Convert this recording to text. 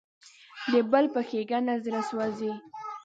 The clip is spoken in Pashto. د بل په ښېګڼه زړه سوځي.